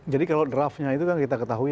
jadi kalau draftnya itu kan kita ketahui